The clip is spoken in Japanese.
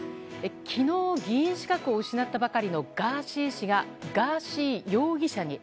昨日、議員資格を失ったばかりのガーシー氏がガーシー容疑者に。